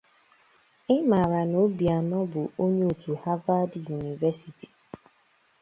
Ị mààrà na Obianọ bụ onye òtù 'Harvard University